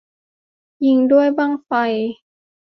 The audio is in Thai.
ยิงด้วยบั้งไฟ